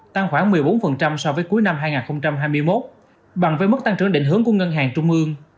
tăng khoảng một mươi bốn so với cuối năm hai nghìn hai mươi một bằng với mức tăng trưởng định hướng của ngân hàng trung ương